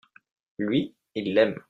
lui, il aime.